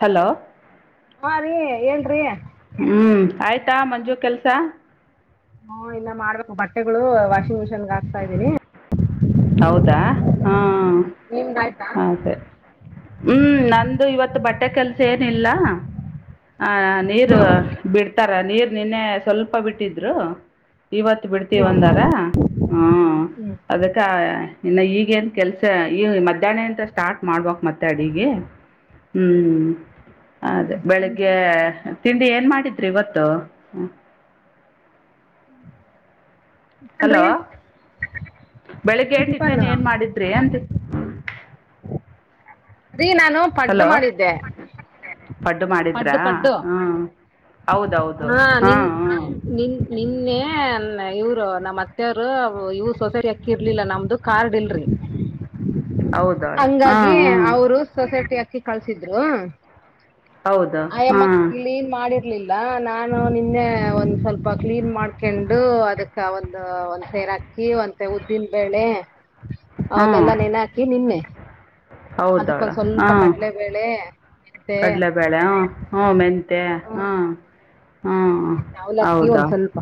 Hello ಹಾ ರೀ ಹೇಳ್ರಿ ಹ್ಮ್ ಆಯ್ತಾ ಮಂಜು ಕೆಲ್ಸ. ಹಾ ಇಲ್ಲ ಮಾಡ್ಬೇಕು ಬಟ್ಟೆಗಳು ವಾಷಿಂಗ್ ಮಿಷಿನ್ಗ ಹಾಕ್ತಾ ಇದ್ದೀನಿ. ಹೌದಾ ಹ ನಿಮ್ದು ಆಯಿತಾ ಹಾಗ ಸರಿ ಹ್ಮ್ ನ ಅದು ಇವತ್ತು ಬಟ್ಟೆ ಕೆಲ್ಸ ಏನಿಲ್ಲ. ಹ ನೀರು ಬಿಡ್ತಾರ ನೀರು ನಿನ್ನೆ ಸ್ವಲ್ಪ ಬಿಟ್ಟಿದ್ರು. ಇವತ್ತು ಬಿಡ್ತೀವಿ ಹ್ಞೂ ಹಂದರೆ ಹ್ಞೂ ಹಾ ಹ್ಞೂ ಅದಕ್ಕೆ ಇನ್ನು ಈಗೇನ್ ಕೆಲ್ಸ ಈ ಮಧ್ಯಾಹ್ನ ಅಂತ ಸ್ಟಾರ್ಟ್ ಮಾಡ್ಬಕ್ ಮತ್ತೆ ಅಡಿಗೆ ಹ್ಮ್ ಅದೇ ಟಿಫನ್ ರೀ ಬೆಳಿಗ್ಗೆ ತಿಂಡಿ ಏನ್ ಮಾಡಿದ್ರಿ ಇವತ್ತು ಹ ಟಿಫನ್ ಹಲೋ ರೀ ಬೆಳಿಗ್ಗೆ ಟಿಫನ್ ಏನ್ ಮಾಡಿದ್ರಿ ಅಂತ ರೀ ನಾನು ಪಡ್ಡು ಹಲೋ ಮಾಡಿದ್ದೆ ಪಡ್ಡು ಮಾಡಿದ್ರಾ ಹ್ಮ ಹಾ ನೀನ್ ನೀನ್ ನಿನ್ನೆ ಇವ್ರು ನಮ್ಮ್ ಅತ್ತೆವರು ಇವ ಸೊಸೈಟಿ ಅಕ್ಕಿ ಇರ್ಲಿಲ್ಲ ನಮ್ದು ಕಾರ್ಡ್ ಇಲ್ರಿ [inaudible] ಹಾಂ ಹಂಗಾಗಿ ಹ್ಞೂ ಅವರು ಸೊಸೈಟಿ ಅಕ್ಕಿ ಕಳ್ಸಿದ್ರು. ಹೌದು ಅಯಮ್ಮ ಹಾಂ ಕ್ಲೀನ್ ಮಾಡಿರ್ ಲಿಲ್ಲ ನಾನು ನಿನ್ನೆ ಒಂದ್ ಸ್ವಲ್ಪ ಕ್ಲೀನ್ ಮಾಡ್ಕೊಂಡು ಅದಕ್ಕ ಒಂದು ಅಕ್ಕಿ ಒಂದ್ ಸೆರ್ ಉದ್ದಿನ ಬೇಳೆ ಅವನ್ನೆಲ್ಲಾ ನೆನ ಹಾಕಿ ನಿನ್ನೆ ಹೌದವಳ ಅದಕ್ಕೊಂದ್ ಹಾ ಸ್ವಲ್ಪ ಕಡ್ಲೆಬೇಳೆ ಮೆಂತೆ ಕಡಲೆಬೇಳೆ ಹ ಹ್ಮ ಮೆತ್ ತ್ತ ಹಾಂ ಹ್ಞೂ ಹ ನಾವವುಲಗ್ತೀ ಒಂದ್ ಸ್ವಲ್ಪ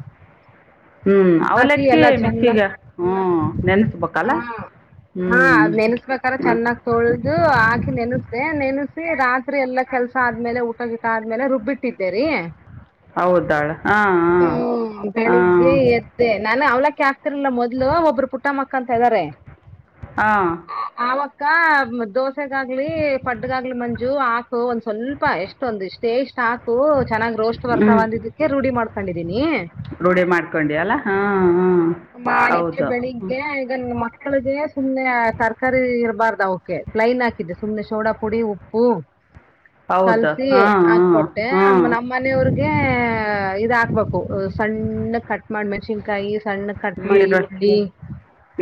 ಹ್ಮ್ ಹಾಕಿ ಅವಲಕ್ಕಿ ಎಲ್ಲಾ ಚೆನ್ನ ಮಿಸಿಗ ಹ್ಮ ನೆನ್ಸ್ಬೇಕಲ್ಲ ಹಾ ಹಾ ಅದ್ ನೆನ್ಸ್ಬೇಕಾದ್ರೆ ಚೆನ್ನಾಗ ತೊಳ್ದು ಆ ನೆನಸ್್ದೆ ನೆನಸಿ ರಾತ್ರಿ ಎಲ್ಲಾ ಕೆಲ್ಸ ಆದ್ಮೇಲೆ ಊಟ ಗೀಟ ಆದ್ಮೇಲೆ ರುಬ್ಬಿಟ್ಟಿದ್ದೇರಿ ಹೌದವ್ಳ ಹಾಂ ಹಾಂ ಹ ಹಾಂ ಬೆಳಿಗ್ಗೆ ಎತ್ತೆ ನಾನು ಅವ್ಲಕ್ಕ ಅೆ ಆಗ್ತಿರ್ಲಿಲ್ಲ ಮೊದ್ಲು ಒಬ್ರು ಪುಟ್ಟ ಮಕ್ಕ ಅಂತ ಇದ್ದಾರೆ ಹಾ ಅವಕ್ಕ ದೋಸೆಗಾಗ್ಲಿ ಪಡ್ಗಾಗ್ಲಿ ಮಂಜು ಹಾಕು ಒಂದ್ ಸ್ವಲ್ಪ ಎಷ್ಟೊಂದ ಇಷ್ಟೇ ೇಸ್ಟ್ ಹಾಕು ಚೆನ್ನ್ ರೋಸ್ಟ್ ಹ್ಞೂ ಬರ್ತಾವಂದ ಇದಕ್ಕೆ ರೂಢಿ ಮಾಡ್ತ ರೂಢಿ ಮಾಡ್ಕೊಂಡಿ ಅಲ್ಲಾ ಹಾ ಹ ಮಾಡಿಗೆ ಬೆಳಿಗ್ಗೆ ಈಗ ಮ ಮಕ್ಕಳಿಗೆ ಸುಮ್ನೆ ತರಕಾರಿ ಇರಬಾರ್ದು ಅವಕ ಪ್ಲೈನ್ ಹಾಕಿದೆ ಸುಮ್ನೆ ಸೋಡಾ ಪುಡಿ ಉಪ್ಪು ಹೌದು ಕಲ್ಸಿ ಹಾಂ ಹಾಂ ಹಾಕ್ಕೊಟ್ಟೆ ಹಾಂ ನಮ್ಮನೆಯವ್ರಿಗೆ ಹಾಕ್ಬೇಕು ಸಣ್ಣ ಕಟ್ ಮಾಡಿ ಮೆಣಸಿನ್ಕಾಯಿ ಸಣ್ಣ ಕಟ್ ಮಾಡಿ ನೀರು ಈರುಳ್ಳಿ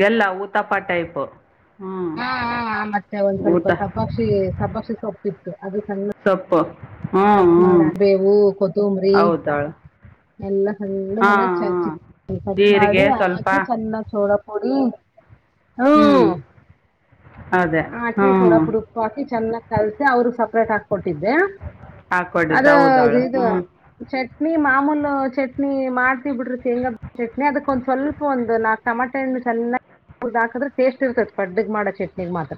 ಎಲ್ಲ ಊತಪ್ಪ ಟೈಪ್ ಹ ಮತ್ತೆ ಒಂದ್ ಸ್ವಲ್ಪ ಸಬ್ಬಾಕ್ಷಿ ಸಬ್ಬಾಕ್ಷಿ ಸೊಪ್ಪಿತ್ತು ಅದು ಸಣ್ಣ ಸೊಪ್ಪು ಹ್ಞೂ ಕಟ್ ಹ್ಞೂ ಮಾಡ ಬೇವು ಕೊತ್ತಂಬ್ರಿ ಹೌದಳು ಎಲ್ಲ ಸಣ್ಣಗ ಹಾಂ ಹಾಂ ಚಿ ಕಟ್ ಮಾಡಿ ಜೀರಿಗೆ ಸ್ವಲ್ಪ ಹಾಕಿ ಚೆನ್ನ ಸೋಳ ಕುಡಿ ಹ್ಞೂ ಹ್ಮ ಅದೇ ಹ್ಞೂ ಆಟಿ ೋಡ ಪ್ರಕ ಆಕಿ ಚಂದನ್ನ ಕಲ್ಸ ಅವರು ಸಪ್ರೇಟ್ ಹಾಕಕೊಟ್ಟಿದ್ದೆ ಹಾಕ್ಕೊಂಡಿದ್ದು ಅದು ಹೌದಳು ಇದು ಹ್ಞೂ ಚಟ್ ನೀ ಮಾಮೂಲು ಚಟ್ನಿ ಮಾಡ್ತ ಬಿಡ್ರಿ ಶೇಂಗಾ ಚಟ್ನಿ ಅದಕ್ಕೊಂದ್ ಸ್ವಲ್ಪ ಒಂದು ನಾಕ ಟಮಟೆ ಹಾಕದ್ರೆ ಟೇಸ್ಟ್ ಇರ್ತತ್ ಪಡ್್ದಗ್ ಮಾಡ ಚಟ್ನಿ ಮಾತ್ರ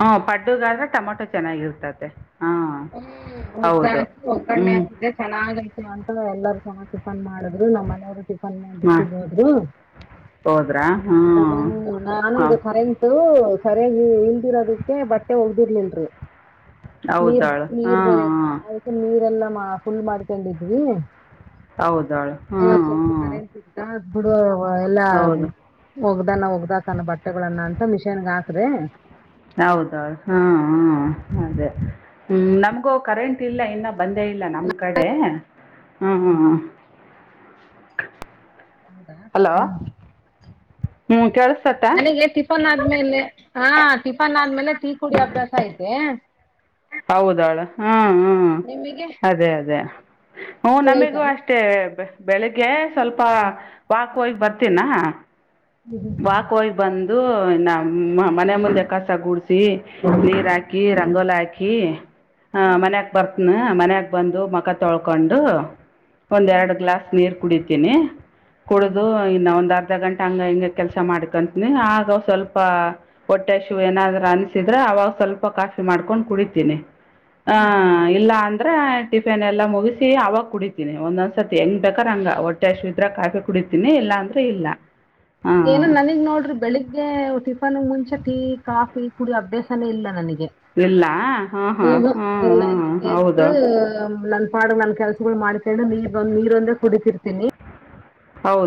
ಹ ಪಡ್ಡುಗಾದ್ರೆ ಟಮೊಟೊ ಚೆನ್ನಾಗಿ ಇರ್ತದೆ ಹ್ಮ್ ಮುದ್ದ ಹಾಕಿ ಒಗ್ಗ್ಣೆ ಹ್ಞೂ ಹಾಕಿದ್ರೆ ಚೆನ್ನಾಗ ಅಂತ ಎಲ್ಲಾರ ಚನ್ನ ಟಿಫನ್ ಮಾಡಿದ್ರು ನಮ್ಮ್ ಮನೆಯವ್ರು ಟಿಫನ್ ಹಾಂ ೂಟಿಗೆ ಹೋದ್ರು ಹೋದ್ರಾ ಹ್ಞೂ ಹ ಹಾಂ ನಾನಾಗ ಖರೆಂತು ಸರಿಯಾಗಿ ಇಲ್ದಿರೋದಕ್ಕೆ ಬಟ್ಟೆ ಹೋಗ್ದಿರ್ಲಲ್ರಿ ಹೌದಾಳ ನೀರ್ ಬೇರೆ ಇಿಲ್ಲ ಅದಕ್ಕೆ ನೀರೆಲ್ಲಾ ಫುಲ್ ಮಾಡ್ಕೊಂಡಿದ್ವಿ ಹೌದ ಇವಾಗ ಸ್ವಲ್ಪ ಕರೆಂಟ್ ಸಿತಾ ಬಿಡ ಎಲ್ಲಾ ಹೌದು ಒಗ್ದಾನ ಒಗ್್ದಕಣ ಬಟ್ಟೆಗಳನ್ನ ಅಂತ ಮಿಷನ್ಗ ಹಾಕ್ರಿ ಹೌದೌದು ಹಾ ಹ ಅದೇ ಹ್ಮ್ ನಮ್ಗೂ ಕರೆಂಟ್ ಇಲ್ಲ ಇನ್ನ ಬಂದೇ ನಮ್ ಕಡೆ ಹ್ಮ್ ಹೌದಾ ಹ್ಮ್ ಹ ಕೆೇಳ ನನಗೆ ಟಿಫನ್ ಆದ್ಮೇಲೆ ಹಾ ಟಿಫನ್ ಆದ್ಮೇಲೆ ಟೀ ಕುಡಿ ಅಭ್ಯಾಸ ಐತೆ ಹೌದಾಳ ಹ್ಮ್ ಹ್ಮ್ ನಿಮಗೆ ಅದೇ ಅದೇ ಹ್ಮ ನಮಿಗೂ ನಿಮಗೈತಾ ಅಷ್ಟೇ ಬೆಳಿಗ್ಗೆ ಸ್ವಲ್ಪ ವಾಕ್ ಹೋಗ ಬರ್ತೀಿನ ವಾ ಕ ಬಂದ ಅದು ನ ಮನೆ ಮುಂದೆ ಕಸ ಗೂಡಸಿ ನೀರ್ ಹಾಕಿ ರಂಗೋಲ ಹಾಕಿ ಹಾ ಹ್ಮ್ ಮನ್ಯಕ್ ಬರ್ತನ ಮನ್ಯಾಗ ಬಂದು ಮಕ ತೊಳ್ಕೊಂಡು ಒಂದ್ ಎರಡು ಗ್ಲಾಸ್ ನೀರ್ ಕುಡಿತೀನಿ ಹ್ಮ್ ಕುಡ್ದು ಇನ್ನ ಒಂದ್ ಅರ್ಧ ಗಂಟೆ ಹಂಗ ಹಿಂಗ ಕೆಲ್ಸ ಮಾಡ್ಕಂತನಿ ಆಗ ಸ್ವಲ್ಪ ಹೊಟ್ಟೆ ಶೂ ಏನಾದ್ರೂ ಅನಸಿದ್ರ ಅವಾಗ ಸ್ವಲ್ಪ ಕಾಫಿ ಮಾಡ್ಕೊಂಡ್ ಕುಡಿತೀನಿ ಹಾ ಹ್ಮ್ ಹ್ಮ್ ಇಲ್ಲ ಅಂದ್ರೆ ಟಿಫಿನ್ ಎಲ್ಲ ಮುಗಿಸಿ ಅವಾಗ ಕುಡಿತೀನಿ ಒಂದೊಂದ್ಸತಿ ಹೆಂಗ್ ಬೇಕಾದ ಹಂಗ ಹೊಟ್ಟೆ ಅಷ್ಟು ಇದ್ರಾಗ ಕಾಫಿ ಕುಡಿತೀನಿ ಎಲ್ಲ ಇಲ್ಲಾಂದ್ರೆ ಇಲ್ಲ. ಏನ ಹಾಂ ನನಗ್ ನೋಡ್ರಿ ಬೆಳಿಗ್ಗೆ ಟಿಫನ್ ಮುಂಚ. ತಿ ಕಾಫಿ ಕುಡಿಯೋ ಅಭ್ಯಾಸನೇ ಇಲ್ಲ ನನಗೆ. ಇಲ್ಲ ಹಾಂ ಹ್ಮ ಹಾಂ ಹ ಹಾಂ ಇಲ್ಲ ಇಲ್ಲ ಹಾಂ ಹೌದು ಎದ್ದು ನನ್ ಪಾಡು ನನ್ ಕೆಲ್ಸಗಳು ಮಾಡಿ. ನೀರೊಂದ ನಿರುಂದ ಕುಡಿತಿರ್ತೀನಿ.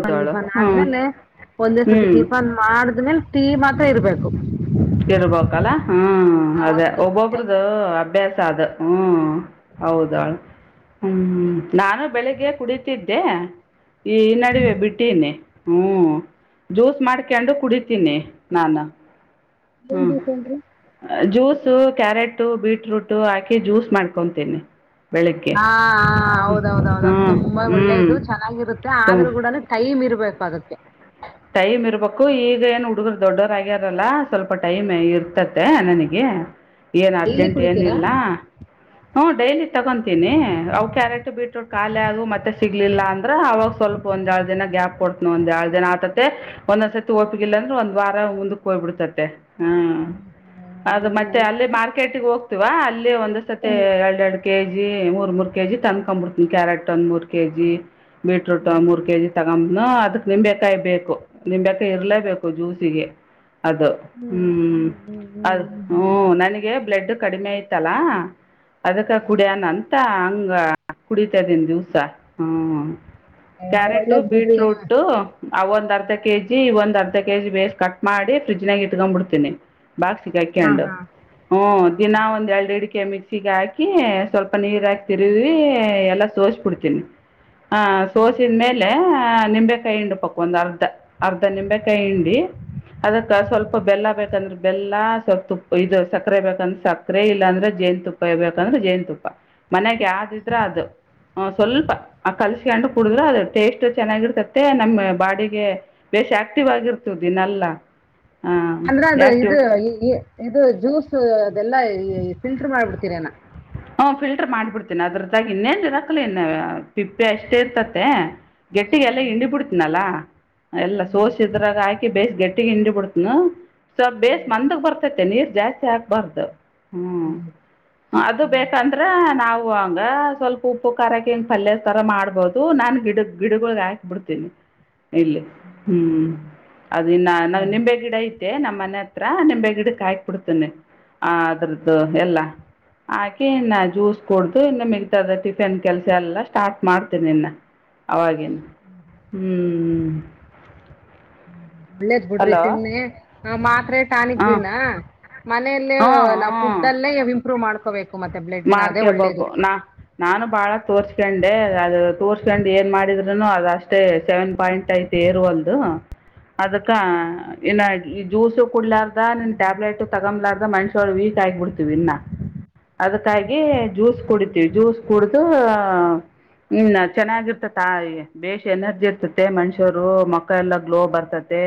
ಟಿಫನ್ ಜಿಫಾನ್ ಹ್ಞೂ ಆದ್ಮೇಲೆ ಒಂದೇ ಹ್ಞೂ ಸರ್ತಿ ಟಿಫನ್ ಮಾಡಿದ್ಮೇಲೆ ಟೀ ಮಾತ್ರ ಇರ್ಬೇಕು. ಇರ್ಬೇಕಲ್ಲ ಹ್ಮ್ ಆವಾಗ ಅದೇ ಟೀ ಕುಡಿಯಲ್ಲ ಒಬ್ಬೊಬ್ರದು ಅಭ್ಯಾಸ. ದ ಹ್ಮ್ ಹೌದಾ. ಹ್ಮ್ ನಾನು ಬೆಳಿಗ್ಗೆ ಕುಡಿತಿದ್ದೆ ಈ ಈ ನಡುವೆ ಬಿಟ್ಟೀನಿ. ಹ್ಮ್ ಜ್ಯೂಸ್ ಮಾಡ್ಕೊಂಡು ಕುಡಿತೀನಿ ನಾನು. ಏನ್ ಹ್ಮ್ ಜ್ಯೂಸ್ ಹೇಳ್ರಿ? ಜ್ಯೋ. ಸ ಕ್ಯಾರೆಟ ಬೀಟ್ರೂಟ ಹಾಕಿ ಜ್ಯೂಸ್ ಮಾಡ್ಕೊತೀನಿ. ಬೆಳಿಗ್ಗೆ ಹಾ ಹೌದೌದೌದ ಹ್ಞೂ ಅದು ತುಂಬಾ ಹ್ಞೂ ಒಳ್ಳೇದು ಚೆನ್ನಾಗಿರುತ್ತೆ ತು ಆದ್ರೂ ಕೂಡ ಟೈಮ್ ಇರ್ಬೇಕು. ಬೇಕಾಗುತ್ತೆ. ಟೈಮ್ ಇರ್ಬೇಕು ಈಗ ಏನ್ ಹುಡುಗರು ದೊಡ್ಡೋರ ಆಗ್ಯಾರಲ್ಲ ಸ್ವಲ್ಪ ಟೈಮ್ ಇರ್ತತೆ ನನಗೆ. ಏನ್ ಡೈಲಿ ಅರ್ಜೆಂಟ್ ಕುಡಿತೀರಾ ಏನಿಲ್ಲ. ಹ್ಮ ಡೈಲಿ ತಗೊತೀನಿ ಅವು ಕ್ಯಾರೆಕ್ಟ್ ಬಿಟ್ರು ಖಾಲಿ ಅದು ಮತ್ತೆ. ಸಿಗ್ಲಿಲ್ಲ ಅಂದ್ರ ಅವಾಗ ಸ್ವಲ್ಪಂದ ಏಳು ಜನ ಗ್ಯಾಪ್ ಕೊಡ್ತನ ಒಂದ ಎರು ಜನ ಆತ. ಮತ್ತೆ ಒಂದೊಂದ್ಸ ಸತಿ ಒಪಿಗಿಲ್ಲ ಅಂದ್ರೆ ಒಂದ್ ವಾರ ಮುಂದಕ್ಕೆ ಹೋಗ್ಬ ಬಿಡತತ್ತತೆ. ಹಾ ಹ್ಮ್ ಅದು ಹ್ಮ್ ಮತ್ತೆ ಅಲ್ಲೇ ಮಾರ್ಕೆಟ್ಗೆ ಹೋಗ್ತಿವಾ ಅಲ್ಲಿ ಒಂದ ಸತಿ ಎರಡೆರಡು. ಕೆ ಜಿ ಮೂರು ಮೂರು ಕೆ ಜಿ ತಂದುಕೊಬಿಡ್ತೀನಿ ಕ್ಯಾರೆಟ್ ಒಂದು ಮೂರು ಕೆ ಜಿ. ಬೀಟ್ರೂಟ್ ಮೂರ್ ಕೆ ಜಿ ತಗೊಂಬ್ನ ಅದಕ್ ನಿಂಬೆೇಕಾಯಿ ಬೇಕು. ನಿಮ್ ಬೆಕಾಯಿ ಇರ್ಲೇಬೇಕು ಜ್ಯೂಸಿಗೆ. ಅದು ಹ್ಮ್ ಅದ ಹ್ಮ್ ನನಗೆ. ಬ್ಲೆಡ್ ಕಡಿಮೆ ಆಐ್ತಲ್ಲ ಅದಕ್ಕ ಕುಡಿಯಾನಂತ. ಹಂಗ ಕುಡಿತಾದನ್ ದಿವ್ಸ ಹ್ಮ. ಅಯ್ಯೋ ಕ್ಯಾರೆಟು ಒಳ್ಳೇದ್ ಬಿಡ್ರಿ ಬೀಟ್ರೂಟು. ಆ ಒಂದ್ ಅರ್ಧ ಕೆಜಿ ಈ ಒಂದ್ ಅರ್ಧ ಕೆ ಜಿ ಬೇಸ್ ಕಟ್ ಮಾಡಿ ಫ್ರಿಜ್ನಾಗ ಇಟ್ಕೊಂಡ್ ಬಿಡ್ತೀನಿ. ಬಾಕ್ ಹಾ ಸಿಕಕೊಂಡು ಹಾ ಹ ದಿನ ಹಾ. ಒಂದ್ ಎರಡುಡ್. ಕೆ ಮಿಕ್ಸಿಗೆ ಹಾಕಿ ಸ್ವಲ್ಪ ನೀರ ಹಾಕಿ ತಿರುಗಿ ಎಲ್ಲಾ ಸೋಸ್ಬಿಡ್ತೀನಿ. ಹ ಸೋಸಿದ ಮೇಲೆ ನಿಂಬೆ ಕಾಯಿ ಹಿಂಡಪಕ್ ಒಂದ್ ಅರ್ಧ. ಅರ್ಧ ನಿಂಬೇಕಾಯಿ ಹಿಂಡಿ. ಅದಕ್ಕ ಸ್ವಲ್ಪ ಬೆಲ್ಲ ಬೇಕಂದ್ರೆ ಬೆಲ್ಲ ಸ್ವಲ್ ಇದು ಸಕ್ಕರೆ ಬೇಕಂದ್ರೆ ಸಕ್ಕರೆ ಇಲ್ಲಾ ಅಂದ್ರೆ. ಜೇನ್ತುಪ್ಪ ಇರ ಬೇಕಂದ್ರೆ ಜೇನತುಪ್ಪ ಮನೆಗೆ ಯಾವ್ದಿದ್ರೆ ಅದು. ಹ ಸ್ವಲ್ಪ ಆ ಕಲ್ಸ್ಕೊಂಡು ಕುಡಿದ್ರ ಅದು ಟೇಸ್ಟ್ ಚೆನ್ನಾಗಿರ್ತತೆ ನಮ್ಮ್ ಬಾಡಿಗೆ. ಬೇಶ್ ಆಕ್ಟಿವ್ ಆಗಿರ್ತದ ದಿನಲ್ಲ. ಅಂದ್ರೆ ಅದು ಇದು ಇದು ಜ್ಯೂಸ್ ಅದೆಲ್ಲಾ ಫಿಲ್ಟರ್ ಮಾಡಬಿಡ್ತೀರನ. ಹ್ಮ ಫಿಲ್ಟರ್ ಮಾಡಿಬಿಡ್ತೇನಿ ಅದ್ರದ್ದಾಗಿ ಇನ್ನೇನ್ರಾಕ್ಲಿ ಇನ್ನು ಸಿಪ್ಪೆ ಅಷ್ಟೇ ಇರ್ತತೆ. ಗಟ್ಟಿಗೆ ಎಲ್ಲ ಹ್ಮ್ ಹಿಂಡಿ ಬಿಡ್ತೀನಲ್ಲಾ ಎಲ್ಲಾ ಹ್ಮ್ ಸೋಸಿದ್ರಾಗ ಹಾಕಿ ಬೇಸ ಗಗೆಟ್ಟಿಗೆ ಹಿಂಡಿ ಬಿಡ್ತಿ. ಹ್ಮ ಸ ಬೇಸ್ ಮಂದಗ್ ಬರ್ತತೆ ನೀರ್ ಜಾಸ್ತಿ ಆಗ್ಬಾರ್ದು ಹ್ಮ್. ಅದು ಬೇಕಂದ್ರೆ ನಾವು ಹಂಗ ಸ್ವಲ್ಪ ಉಪ್ಪು ಖಾರಕ್ಕೆ ಹಿಂಗ ಪಲ್ಯ ತರ ಮಾಡ್ಬಹದು ನಾ ಗಿಡ. ಗ ಗಿಡಗಳೊಳಗೆ ಹಾಕ್ ಬಿಡ್ತೇನಿ. ಇಲ್ಲಿ ಹ್ಮ್ ಅದಿನ್ನ ನ ನಿಂಬೆ ಗಿಡ ಇತ್ತು. ನಮ್ಮ್ ಮನೆ ಹತ್ರ ನಿಮಂಬ ಗಿಡಕ್ ಹಾಯಕ್ ಬಿಡ್ತೇನೆ ಆ ಅದ್ರದ್ದು ಎಲ್ಲಾ. ಹಾಕಿ ಇನ್ನ ಜ್ಯೂಸ್ ಕುಡ್ದು ಇನ್ನು ಮಿಗತಾದ ಟಿಫಿನ್ ಕೆಲ್ಸ ಎಲ್ಲಾ ಸ್ಟಾರ್ಟ್ ಮಾಡ್ತನಿ ಇನ್ನ. ಅವಾಗೇನು ಹ್ಮ್ ಹ್ಮ್. ಒಳ್ಳೇದ್ ಬಿಡ್ರಿ ಸುಮ್ನೆ ಮಾತ್ರೆ ಟಾನಿಗ್ ಹಾಂ ಗನ್ನ. ಮನೆಯಲ್ಲ ನಾವು ಫುಡ್ ಅಲ್ಲೇ ಇಂಪ್ರೂವ್ ಮಾಡ್. ಮಾಡ್ಕೇಬೇಕು ನಾ ನಾನು ಬಾಳ ತೋರ್ಸ್ಕೊಂಡೆ ಅದು ತೋರ್. ಹಕಂಡ್ ಏನ್ ಮಾಡಿದ್ರುನು ಅದಷ್ಟೇ ಸೆವೆನ್ ಪಾಯಿಂಟ್ ಐತಿ ಏರುವಲ್ದು. ಅದಕ್ಕ ಏನ ಈ ಜ್ಯೂಸ ಕುಡ್ಲಾರ್ದ ನಿನ್ ಟ್ಯಾಬ್ಲೆಟ್ ತಗಂಬ್ಲಾರ್ದ ಮನುಷ್ಯಳ ವೀಕ್ ಆಗಿಬಿಡ್ತೀವಿ ಇನ್ನ ಅದಕ್ಕಾಗಿ ಜ್ಯೂಸ್ ಕುಡಿತೀವಿ ಹ್ಮ್. ಜ್ಯೂಸ್ ಕುಡ್ದು ಹ್ಮ್ ಚೆನ್ನಾಗಿರ್ತ ತಾಯಿ ಬೇಶ್ ಎನರ್ಜಿ ಇರ್ತತೆ ಮನುಷ್ಯರು ಮಕ ಎಲ್ಲ ಗ್ಲೋ ಬರ್ತ ತತೆ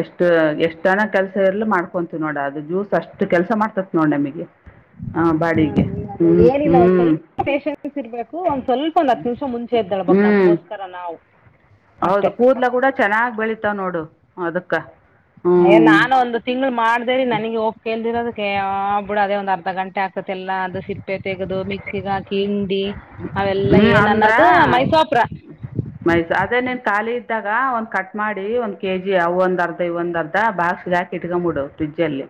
ಎಷ್ಟು ಎಷ್ಟನ ಕೆಲ್ಸ ಇರ್ಲಿ ಮಾಡ್ಕೊಂತೀವ್ ನೋಡ ಅದು ಜ್ಯೂಸ್ ಅಷ್ಟು ಕೆಲ್ಸ ಮಾಡ್ತತಿ ನೋಡ್ ನಮಗೆ ಹ ಬಾಡಿಗೆ ಹ್ಮ್ ಹ್ಮ್ ಪೇಶೆನ್ಸ್ ಇರ್ಬೇಕು ಒಂದ್ ಸ್ವಲ್ಪ ಒಂದ್ ಹತ್ ನಿಮಿಷ ಮುಂಚೆ ಎದ್ದೇಳ್ಬೇಕ್ ಹ್ಞೂ ನಮ್ಗೋಸ್ಕರ ನಾವು ಅಷ್ಟೇ ಹೌದು ಕೂದ್ಲ ಕೂಡ ಚನ್ನಾಗ್ ಬೆಳಿತಾವ್ ನೋಡು ಅದಕ್ಕ ಅಯ ನಾನ ಒಂದು ತಿಂಗಳ ಮಾಡ್ದೇರಿ ನನಗೆ ಒಪಿಕೆ ಇಲ್ದಿರೋದಕ್ಕೆ ಅಯ್ಯೋ ಬಿಡ ಅದೇ ಒಂದ್ ಅರ್ಧ ಗಂಟೆ ಆಗ್ತತಿ ಎಲ್ಲ ಅದು ಸಿಪ್ಪೆ ತೆಗೆದು ಮಿಕ್ಸಿಗೆ ಹಾಕಿ ಹಿಂಡಿ ಅವೆಲ್ಲ ಹ್ಮ್ ಏನು ಅಂದ್ರ ಅನ್ನೋದು ಮೈಸೋಪ್ರ ಮೈ ಅದೇ ನೀನ್ ಖಾಲಿ ಇದ ಇದ್ದಾಗ ಒಂದ್ ಕಟ್ ಮಾಡಿ ಒಂದ್ ಕೆಜಿ ಅವ ಒಂದ ಅರ್ಧ ಇವ್ ಒಂದ್ ಅರ್ಧ ಬಾಕ್ಸ್ಗ್ ಹಾಕಿ ಇಟಗೊಂಡ್ಬಿಡು ಫ್ರಿಜ ಅಲ್ಲಿ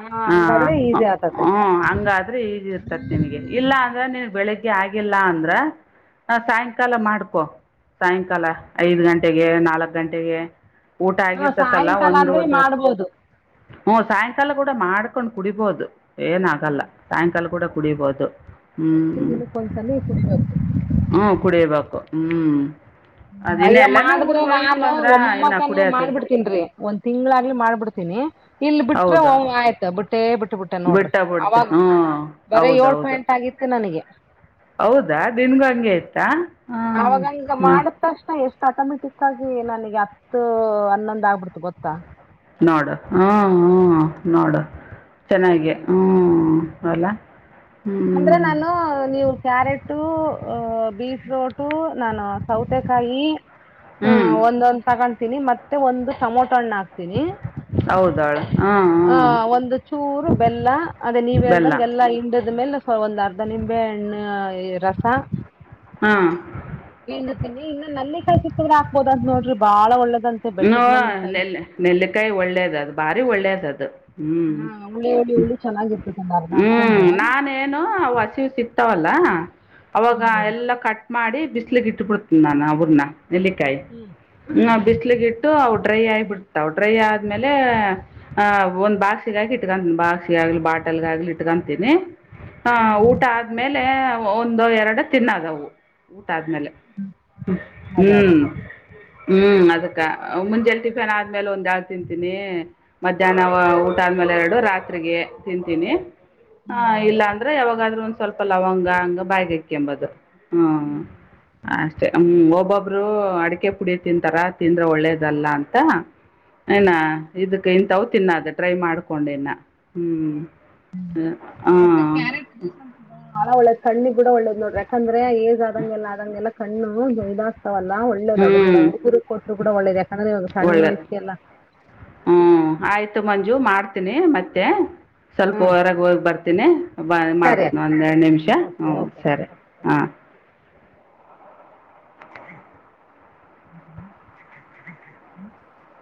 ಹಾಂ ಹಾ ಹಂಗಾದ್ರೆ ಈಸಿ ಆಗ್ತತೆ ಹ್ಮ್ ಹಂಗಾದ್ರೆ ಈಜಿ ಇರ್ತತಿ ನಿನಗೆ ಇಲ್ಲ ಅಂದ್ರೆ ನೀನ್ ಬೆಳಿಗ್ಗೆ ಆಗಿಲ್ಲ ಅಂದ್ರ ಸಾಯಂಕಾಲ ಮಾಡ್ಕೊ ಸಾಯಂಕಾಲ ಐದ್ ಗಂಟೆಗೆ ನಾಲ್ಕ್ ಗಂಟೆಗೆ ಊಟ ಹಾಂ ಆಗಿರ್ತತಲ್ಲ ಸಾಯಂಕಾಲ ಒಂದು ಅಂದರೆ ಒಂದು ವರೆ ಮಾಡ್ಬೋದು ಹ್ಮ ಸಾಯಂಕಾಲ ಕೂಡ ಮಾಡ್ಕೊಂಡ್ ಕುಡಿಬೋದು ಏನಾಗಲ್ಲ ಸಾಯಂಕಾಲ ಕೂಡ ಕುಡಿಬೊದು ಒಟ್ಟಿನ ಹ್ಮ್ ದಿನಕ್ಕೆ ಒಂದು ಸಲ ಕುಡಿಬೇಕು ಹ್ಮ್ ಕುಡಿಬೇಕು ಹ್ಮ್ ಅಯ್ಯ ಮಾಡಿದ್ರೆ ನಾನ್ ಅಂದ್ರೆ ಇನ್ನು ಒಮ್ಮಕನೆ ಕುಡಿಯೋದಿಲ್ಲ ಮಾಡ್ಬಿಡ್ತನ್ರೀ ಒಂದ್ ತಿಂಗಳಾಗ್ಲಿ ಮಾಡ್ಬಿಡ್ತನೆ ಇಲ್ಲಿ ಬಿಟ್ರೆ ಹ ಹೌದಾ ಆಯ್ತ ಬಿಟ್ಟೆ ಬಿಟ್ಟ ಬಿಟ್ಟೆ ನೋಡ್ರಿ ಬಿಟ್ಟ ಬಿಡ್ತೆ ಅವಾಗ ಹ್ಞೂ ಬರೇ ಹೌದು ಯೋಳ್ ಹೌದು ಪಾಯಿಂಟ್ ಆಗಿತ್ತು ನನಗೆ ಹೌದಾ ನಿನ್ಗೂ ಹಂಗೆ ಇತ್ತಾ ಹಾಂ ಅವಾಗಂಗ ಮಾಡತಕ್ಷಣ ಎಷ್ಟ ಆಟೋಮೆಟಿಕ್ ಆಗಿ ನನಗೆ ಹತ್ತು ಹನ್ನೊಂದ ಆಗ್ಬಿಡ್ತು ಗೊತ್ತಾ ನೋಡ ಹಾ ಹಾ ನೋಡ್ ಚೆನ್ನಾಗಿ ಹ್ಮ್ ಅಲ್ಲ ಹ್ಞೂ ಅಂದ್ರ ನಾನು ನೀವು ಕ್ಯಾರೆಟು ಬೀಟ್ರೂಟು ನಾನು ಸೌತೆಕಾಯಿ ಹ್ಮ ಹ್ಞೂ ಒಂದೊಂದ್ ತಗೊತೀನಿ ಮತ್ತೆ ಒಂದು ಟೊಮೊಟೋ ಹಣ್ಣ ಹಾಕ್ತೀನಿ ಹೌದಳ ಹ್ಮ ಆ, ಹ್ಮ ಒಂದು ಚೂರು ಬೆಲ್ಲ ಅದೇ ನೀವ್ ಹೇಳ್ದಂಗೆಲ್ಲ ಹಿಂಡದ ಮೇಲೆ ಒಂದ್ ಅರ್ಧ ನಿಂಬೆ ಹಣ್ಣ ರಸ ಹಾಂ ಇನ್ನ ನಲ್ಲಿ ಕಾಯಿ ಸಿಕ್ಕದ್ರೆ ಹಾಕ್ಬೋದ ಅಂತ ನೋಡ್ರಿ ಬಾಳ ಒಳ್ಳೆದ ಹ ನೆಲ್ ನೆಲ್ಲಿಕಾಯಿ ಒಳ್ಳೇದ ಅದು ಭಾರಿ ಒಳ್ಳೇದ ಅದು ಹ್ಮ್ ಹಾ ಹುಳಿ ಹುಳಿ ಹುಳಿ ಚೆನ್ನಾಗಿರ್ತದೆ ಒಂದ್ ಅರ್ಧ ಹ್ಮ್ ಹಾಕ್ಕೊಂಡ್ರೆ ನಾನೇನು ಅವ್ ಹಸಿವ ಸಿಗತವಲ್ಲ ಅವಾಗ ಹ್ಮ್ ಎಲ್ಲ ಕಟ್ ಮಾಡಿ ಬಿಸಿಲಿಗಿ ಇಟ್ಟುಬುಡ್ತಿನ್ ನನ್ ಅವನ್ನ ನೆಲ್ಲಿಕಾಯಿ ಹ್ಮ್ ಹ್ಮ್ ಹ್ಮ್ ಬಿಸ್ಲಿಗೆ ಅವು ಡ್ರೈ ಆಗಿ ಬಿಡ್ತವು ಡ್ರೈ ಆದ್ಮೇಲೆ ಅಹ್ ಒಂದ್ ಬಾಕ್ಸಿಗೆ ಹಾಕಿ ಇಟಗಂತನ್ ಬಾಕ್ಸಿಗಾಕಿ ಲಿ ಬಾಟಲ್ಗ ಆಗ್ಲಿ ಇಟ್ಕಂತೀನಿ ಹಾ ಹ್ಮ್ ಊಟ ಆದ್ಮೇಲೆ ಒಂದೋ ಎರಡು ತಿನ್ನದವು ಆದ್ಮೇಲೆ ಅದೇ ಅದೇ ಹ್ಮ್ ಹ್ಮ್ ಅದೇ ಮುಂಜಲೆ ಟಿಫನ್ ಆದ್ಮೇಲೆ ಒಂದ್ ಎರಡ್ ತಿಂತೀನಿ ಮಧ್ಯಾಹ್ನ ಊಟ ಆದ್ಮೇಲೆ ಎರಡು ರಾತ್ರಿ ಗೆ ತಿಂತೀನಿ ಹಾ ಹ್ಮ್ ಇಲ್ಲ ಅಂದ್ರೆ ಯಾವಾಗಾದ್ರು ಒಂದ್ ಸ್ವಲ್ಪ ಲವಂಗ ಹಂಗ ಬಾಯಿಗೆ ಹಾಕೆಂಬುದು ಹ್ಮ ಅಷ್ಟೇ ಹ್ಮ ಒಬ್ಬೊಬ್ರು ಅಡಿಕೆ ಪುಡಿ ತಿಂತಾರ ತಿಂದ್ರೆ ಒಳ್ಳೇದಲ್ಲ ಅಂತ ಏನಾ ಇದಕ್ಕ ಇಂತವ ತಿನ್ನದ ಟ್ರೈ ಮಾಡ್ಕೊಂಡ ಇನ್ನ ಹ್ಮ್ ಹ್ಮ್ ಒಟ್ಟೆ ಕ್ಯಾರೆಟ್ [unintelligible] ದ್ಯೂಸ್ ಅಂತ ಒಳ್ಳ ಕಣ್ಣಿಗ್ ಕೂಡ ಒಳ್ಳೇದ್ ನೋಡ್ರಿ ಯಾಕಂದ್ರೆ ಏಜ್ ಆದಂಗೆಲ್ಲ ಆದಂಗೆಲ್ಲ ಕಣ್ಣು ಜಯದಾಗ್ ವಲ್ಲ ಒಳ್ಳೇದ್ ಹ್ಞೂ ಅದು ಕೂಡ ಹುಡ್ಗುರ್ಗ್ ಕೊಟ್ರು ಕೂಡ ಒಳ್ಳೇದ ಯಾಕಂದ್ರೆ ಇವಾಗ ಸಣ್ ವಯಸ್ಸೆ ಎಲ್ಲ ಹ್ಮ್ ಆಯ್ತು ಮಂಜು ಮಾಡ್ತೀನಿ ಮತ್ತೆ ಸ್ವಲ್ಪ ಹ್ಮ್ ಹೊರಗೆ ಹೋಗ್ ಬರ್ತೀನಿ ಬ ಸರಿ ಮಾಡ್ತೀನಿ ಅಕ್ಕ, ಒಂದೆರಡು ನಿಮಿಷ ಓಕೆ ಹ್ಞೂ ಓಕೆ ಸರಿ ಹಾಂ ಹ್ಮ ಹ್ಮ ಹ [unintelligible]